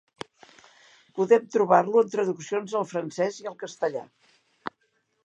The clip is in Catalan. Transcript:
Podem trobar-lo en traduccions al francès i al castellà.